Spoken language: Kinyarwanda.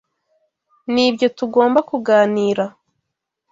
Nibyo tugomba kuganira.